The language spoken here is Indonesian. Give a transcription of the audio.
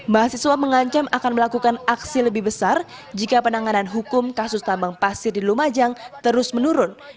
mahasiswa mengancam akan melakukan aksi lebih besar jika penanganan hukum kasus tambang pasir di lumajang terus menurun